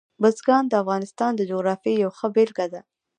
بزګان د افغانستان د جغرافیې یوه ښه بېلګه ده.